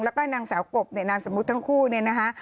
แล้วก็นางสาวกบเนี่ยนามสมมุติทั้งคู่เนี่ยนะคะ